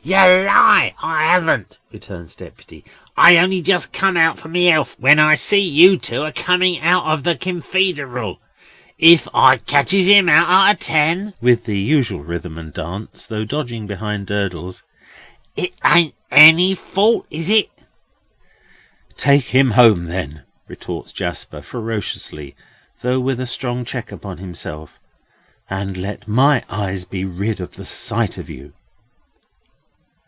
"Yer lie, I haven't," returns Deputy. "I'd only jist come out for my 'elth when I see you two a coming out of the Kin freederel. If I—ket—ches—Im—out—ar—ter—ten!" (with the usual rhythm and dance, though dodging behind Durdles), "it ain't any fault, is it?" "Take him home, then," retorts Jasper, ferociously, though with a strong check upon himself, "and let my eyes be rid of the sight of you!"